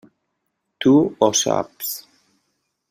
Tu ho saps.